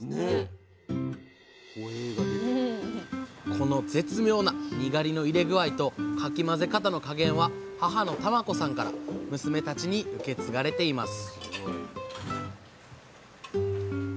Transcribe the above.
この絶妙なにがりの入れ具合とかき混ぜ方の加減は母の玉子さんから娘たちに受け継がれています